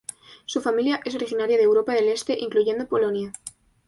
Su familia es originaria de Europa del Este, incluyendo Polonia.